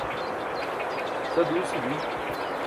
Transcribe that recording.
sa duusi bi